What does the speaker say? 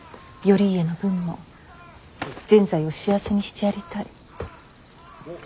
頼家の分も善哉を幸せにしてやりたい。